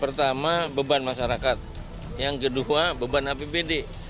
pertama beban masyarakat yang kedua beban apbd